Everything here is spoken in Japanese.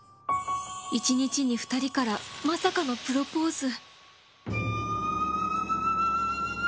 一日に２人からまさかのプロポーズ